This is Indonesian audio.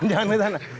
jangan ke sana